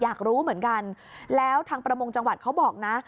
อยากรู้เหมือนกันแล้วทางประมงจังหวัดเขาบอกนะ